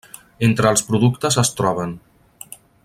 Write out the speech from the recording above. Entre els productes es troben: